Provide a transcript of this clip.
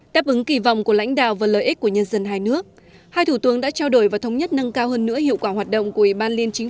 đáp ứng kỳ vọng của lãnh đạo và lợi ích của nhân dân hai nước